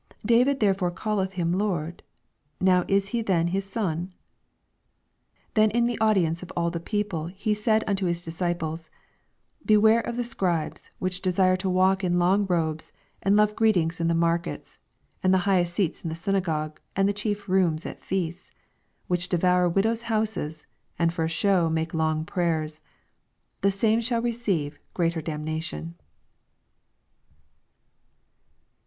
44 David therefore calleth him Lord, now is he then his son ? 45 Then in the audience of all the people he said unto his disciples, 46 Beware of the Scribes, which desire to walk in long robes, and love Kreetings in the markets, and the nighest seats in the synagogues, and the chief rooms at feasts ; 47 Which devour widows' houses, and for a show make long prayers : the same shall receive greater dam nation.